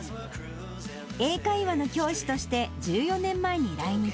英会話の教師として１４年前に来日。